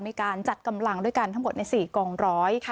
มีการจัดกำลังด้วยกันทั้งหมดใน๔กองร้อย